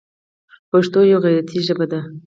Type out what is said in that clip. پښتو یوه غیرتي ژبه ده.